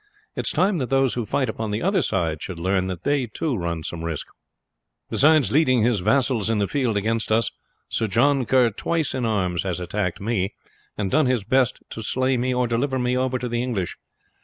It is time that those who fight upon the other side should learn that they too run some risk. Besides leading his vassals in the field against us, Sir John Kerr twice in arms has attacked me, and done his best to slay me or deliver me over to the English.